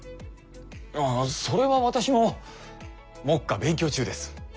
ああそれは私も目下勉強中です。